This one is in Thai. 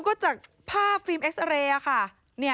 โน้ตก็จากภาพฟิล์มเอสเตอร์เรย์